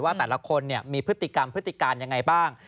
ว่าแต่ละคนมีพฤติกรรมพฤติการยังไงบ้าง